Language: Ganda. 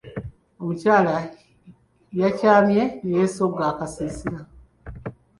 Omukyala yakyamye ne yeesogga akasiisira.